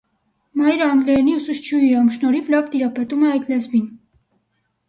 Մայրը անգլերենի ուսուցչուհի է, ում շնորհիվ լավ տիրապետում է այդ լեզվին։